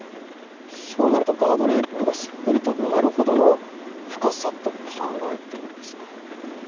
そうなるとガードレールがすっぽり埋まるほどの深さと考えていいですか？